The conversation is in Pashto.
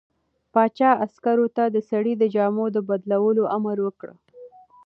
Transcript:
پاچا عسکرو ته د سړي د جامو د بدلولو امر وکړ.